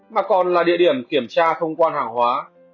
mà còn là địa điểm kiểm tra thông quan hàng hóa